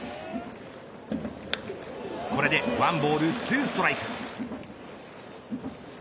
これで１ボール２ストライク。